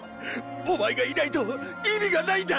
オマエがいないと意味がないんだ！